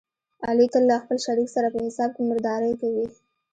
علي تل له خپل شریک سره په حساب کې مردارې کوي.